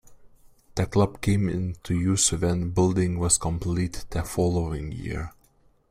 The club came into use when building was completed the following year.